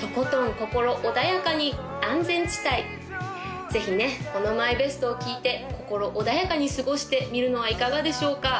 心穏やかに安全地帯ぜひねこのＭＹＢＥＳＴを聴いて心穏やかに過ごしてみるのはいかがでしょうか？